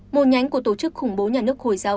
một nhánh của tổ chức khủng bố nhà nước hồ chí minh